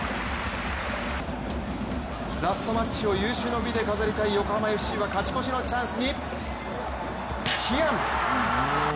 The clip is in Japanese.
ラストマッチを有終の美で飾りたい横浜ＦＣは勝ち越しのチャンスにヒアン！